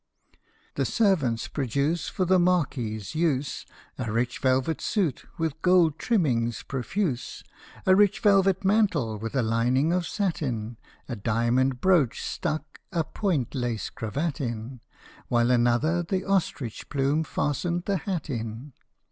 ] The servants produce for the Marquis's use A rich velvet suit with gold trimmings profuse, A rich velvet mantle with a lining of satin, A diamond brooch stuck a point lace cravat in, While another the ostrich plume fastened the hat in.